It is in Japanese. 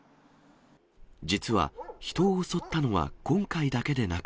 実は、人を襲ったのは今回だけでなく。